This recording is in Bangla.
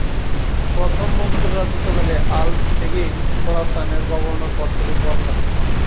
প্রথম মনসুরের রাজত্বকালে আল্প-তেগিন খোরাসানের গভর্নর পদ থেকে বরখাস্ত হন।